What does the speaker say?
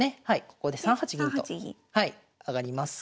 ここで３八銀と上がります。